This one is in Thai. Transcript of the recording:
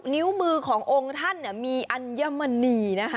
นิ้วมือขององค์ท่านมีอัญมณีนะคะ